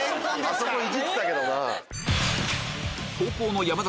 あそこいじってたけどな。